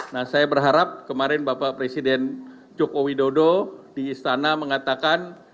nah saya berharap kemarin bapak presiden joko widodo di istana mengatakan